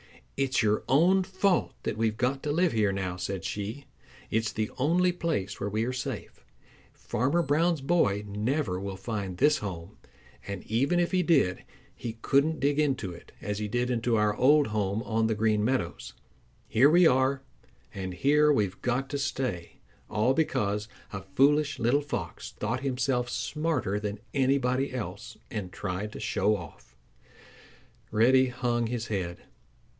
"It's your own fault that we've got to live here now," said she. "It's the only place where we are safe. Farmer Brown's boy never will find this home, and even if he did he couldn't dig into it as he did into our old home on the Green Meadows. Here we are, and here we've got to stay, all because a foolish little Fox thought himself smarter than anybody else and tried to show off." Reddy hung his head.